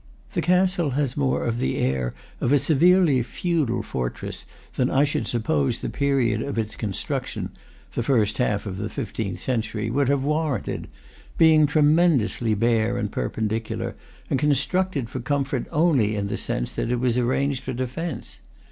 The castle has more of the air of a severely feudal fortress than I should suppose the period of its construction (the first half of the fifteenth century) would have warranted; being tremendously bare and perpendicular, and constructed for comfort only in the sense that it was arranged for defence.